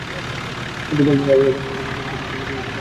কিন্তু পূর্বের মতো এবারও তিনি দুর্গটি দখল করতে ব্যর্থ হন।